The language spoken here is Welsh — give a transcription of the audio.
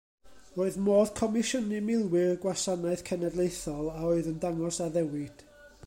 Roedd modd comisiynu milwyr y Gwasanaeth Cenedlaethol a oedd yn dangos addewid.